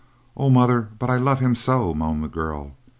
"Oh, mother, but I love him so," moaned the girl.